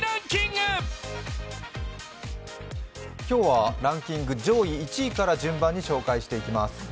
今日はランキング上位１位から順番に紹介していきます。